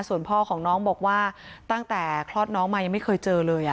ส่วนพ่อของน้องบอกว่าตั้งแต่คลอดน้องมายังไม่เคยเจอเลย